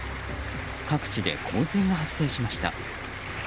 各地で洪水が発生しました。